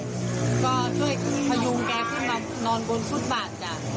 ก็ช่วยพยุงแกขึ้นมานอนบนฟุตบาทจ้ะ